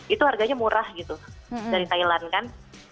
itu harganya murah gitu dari thailand kan